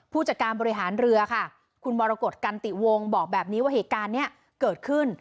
ผู้จัดการบริหารเรือค่ะคุณมรกฏกันติวงบอกแบบนี้ว่าเหตุการณ์นี้เกิดขึ้น